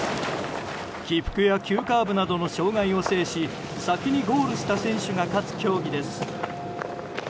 起伏や急カーブなどの障害を制し先にゴールした選手が勝つ競技です。